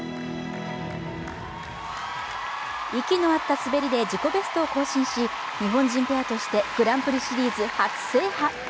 息の合った滑りで自己ベストを更新し日本人ペアとしてグランプリシリーズ初制覇。